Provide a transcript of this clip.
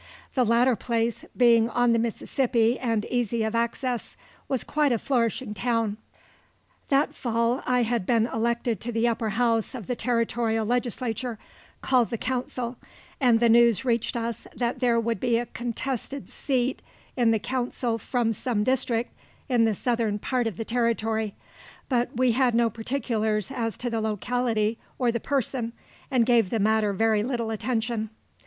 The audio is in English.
The latter place, being on the Mississippi and easy of access, was quite a flourishing town. That fall I had been elected to the upper house of the territorial legislature, called the council, and the news reached us that there would be a contested seat in the council from some district in the southern part of the territory, but we had no particulars as to the locality or the person, and gave the matter very little attention.